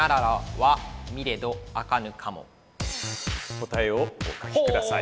答えをお書きください。